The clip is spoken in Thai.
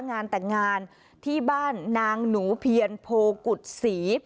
งานแต่งงานที่บ้านนางหนูเพียรโพกุฎศรี